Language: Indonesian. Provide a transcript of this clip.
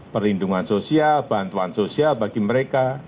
perlindungan sosial bantuan sosial bagi mereka